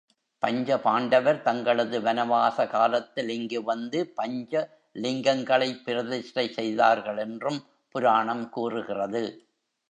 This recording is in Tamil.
பஞ்ச பாண்டவர் தங்களது வனவாச காலத்தில் இங்கு வந்து பஞ்ச.லிங்கங்களைப் பிரதிஷ்டை செய்தார்கள் என்றும் புராணம் கூறுகிறது.